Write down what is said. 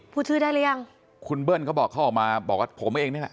พูดชื่อได้หรือยังคุณเบิ้ลเขาบอกเขาออกมาบอกว่าผมเองนี่แหละ